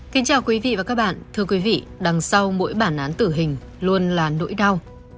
kính chào quý vị và các bạn thưa quý vị đằng sau mỗi bản án tử hình luôn là nỗi đau